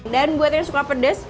dan buat yang suka pendamping